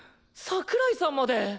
櫻井さんまで。